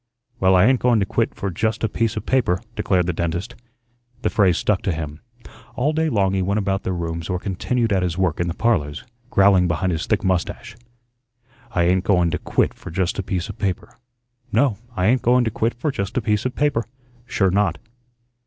"Well, I ain't going to quit for just a piece of paper," declared the dentist. The phrase stuck to him. All day long he went about their rooms or continued at his work in the "Parlors," growling behind his thick mustache: "I ain't going to quit for just a piece of paper. No, I ain't going to quit for just a piece of paper. Sure not."